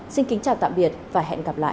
xin kính chào tạm biệt và hẹn gặp lại